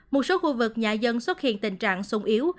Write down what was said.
một số khu vực nhà dân xuất hiện tình trạng sung yếu